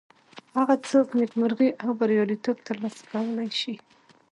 هغه څوک نیکمرغي او بریالیتوب تر لاسه کولی شي.